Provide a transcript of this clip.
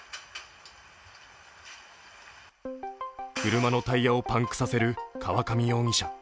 車のタイヤをパンクさせる河上容疑者。